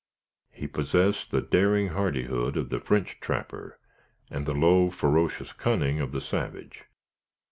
He possessed the daring hardihood of the French trapper, and the low, ferocious cunning of the savage.